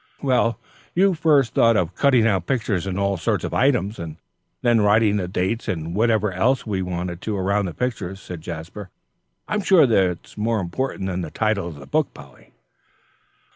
"Well, you first thought of cutting out pictures and all sorts of items, and then writing the dates and whatever else we wanted to around the pictures," said Jasper. "I'm sure that's more important than the title of the book, Polly."